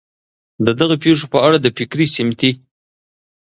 د دغه پېښو په اړه د فکري ، سمتي